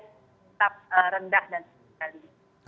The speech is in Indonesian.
tetap rendah dan sedih